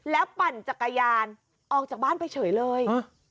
แล้วปั่นจักรยานออกจากบ้านไปเฉยเลย